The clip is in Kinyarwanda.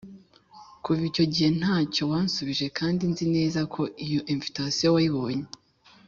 Kuva icyo gihe ntacyo wanshubije kandi nzi neza ko iyo invitation wayibonye.